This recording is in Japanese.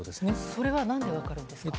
それは何で分かるんですか？